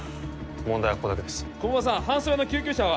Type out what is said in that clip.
問題はここだけです駒場さん搬送用の救急車は？